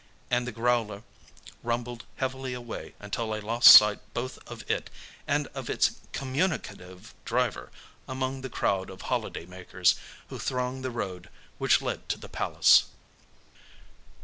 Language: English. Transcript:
And the growler rumbled heavily away until I lost sight both of it and of its communicative driver among the crowd of holiday makers who thronged the road which led to the Palace.